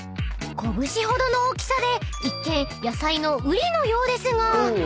［拳ほどの大きさで一見野菜のウリのようですが］